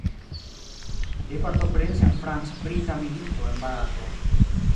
Li partoprenis en franc-brita milito en Barato.